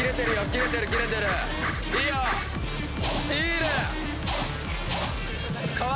キレてるキレてるいいよいいね